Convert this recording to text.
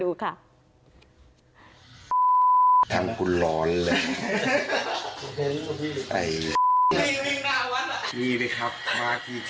ดีกะโหลกเลยใครมาเท่งกูอย่างนี้หันหน้ากับทางรถ